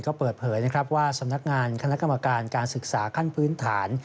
ก็เปิดเผยนะครับว่าสำนักงานคณะกรรมการการศึกษาขั้นพื้นฐาน